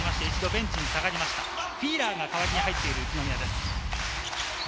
ベンチに一度下がりました、フィーラーが代わりに入っている宇都宮です。